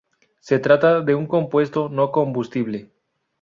Se trata de un compuesto no combustible.